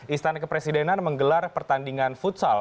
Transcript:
istana kepresidenan menggelar pertandingan futsal